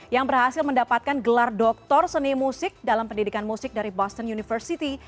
yang berhasil mendapatkan gelar doktor seni musik dalam pendidikan musik dari boston university